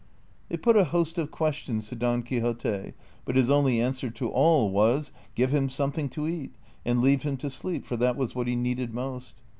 They put a host of questions to Don Quixote, but his only answer to all was — give him something to eat, and leave him to sleep, for that was what he needed most.